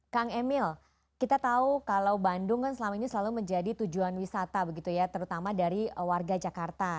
kang emil kita tahu kalau bandung kan selama ini selalu menjadi tujuan wisata begitu ya terutama dari warga jakarta